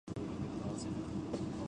新宿三丁目駅